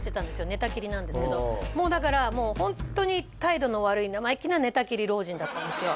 寝たきりなんですけどもうだからもうホントに態度の悪い生意気な寝たきり老人だったんですよ